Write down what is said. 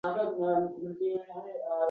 Bandi qafas